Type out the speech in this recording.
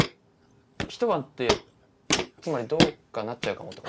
ひと晩ってつまりどうかなっちゃうかもって事？